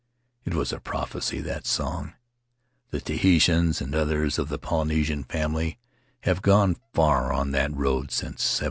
It was a prophecy, that song. The Tahitians and others of the Polynesian family have gone far on that road since 1797.